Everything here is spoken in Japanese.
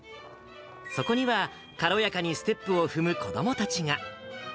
そこには軽やかにステップを踏む子どもたちが。